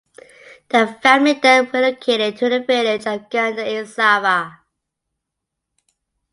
The family then relocated to the village of Ganda in Savar.